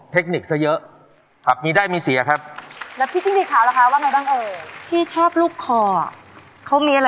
จอดหน้าในสาวไม้นำพาวาสนามีน้อย